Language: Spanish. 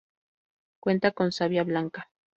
Cuenta con savia blanca.